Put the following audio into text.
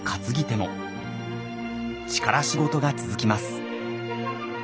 力仕事が続きます。